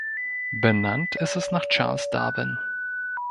Benannt ist es nach Charles Darwin.